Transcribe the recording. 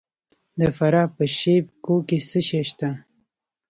د فراه په شیب کوه کې څه شی شته؟